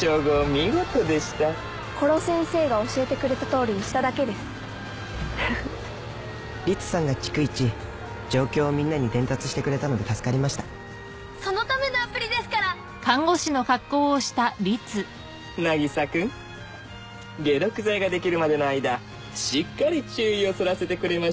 見事でした殺せんせーが教えてくれた通りにしただけですフフッ律さんが逐一状況をみんなに伝達してくれたので助かりましたそのためのアプリですから渚君解毒剤ができるまでの間しっかり注意をそらせてくれましたね